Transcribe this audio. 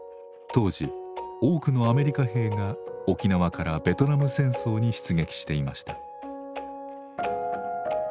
当時多くのアメリカ兵が沖縄からベトナム戦争に出撃していました。